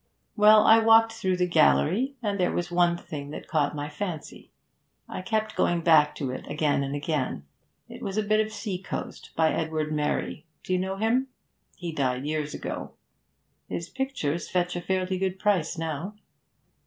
Well, I walked through the gallery, and there was one thing that caught my fancy; I kept going back to it again and again. It was a bit of sea coast by Ewart Merry, do you know him? He died years ago; his pictures fetch a fairly good price now.